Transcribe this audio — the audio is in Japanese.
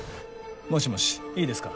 もしもしいいですか。